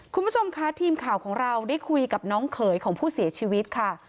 คุณผู้ชมค่ะทีมข่าวของเราได้คุยกับน้องเขยของผู้เสียชีวิตค่ะ